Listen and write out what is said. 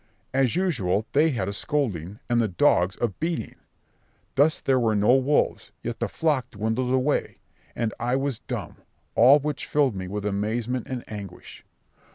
As usual, they had a scolding, and the dogs a beating. Thus there were no wolves, yet the flock dwindled away, and I was dumb, all which filled me with amazement and anguish.